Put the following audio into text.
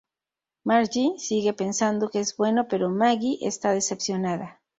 Marge sigue pensando que es bueno, pero Maggie está decepcionada.